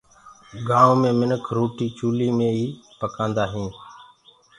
گآئونٚ مي مِنک روٽي چوليٚ مي ئي پڪآندآ هينٚ